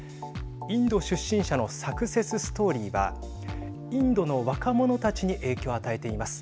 インド出身者のサクセスストーリーはインドの若者たちに影響を与えています。